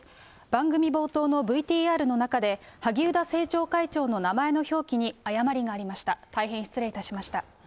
番組冒頭のＶＴＲの中で、萩生田政調会長の名前の表記に誤りがありました。